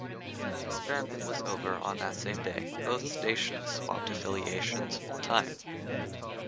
When the experiment was over, on that same day, both stations swapped affiliations full-time.